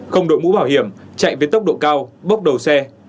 không đội mũ bảo hiểm chạy với tốc độ cao bốc đầu xe